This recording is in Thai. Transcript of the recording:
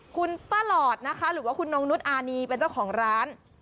คุณป่าหลอดหรือว่าน้องนุฏอานนีเป็นเจ้าของร้าน